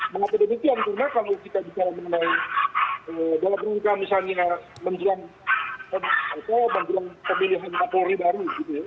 maka pada menurut saya kalau kita bicara mengenai dalam peringkat misalnya menjelang pemilihan kapolri baru